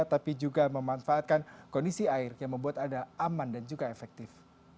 tapi juga memanfaatkan kondisi air yang membuat anda aman dan juga efektif